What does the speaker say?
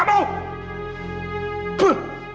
aku sudah biasa di marimu